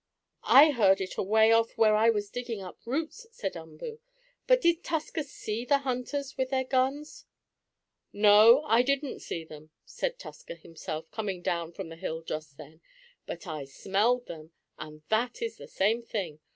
"I heard it away off where I was digging up roots," said Umboo. "But did Tusker see the hunters with their guns?" "No, I didn't see them," said Tusker himself, coming down from the hill just then. "But I smelled them, and that is the same thing.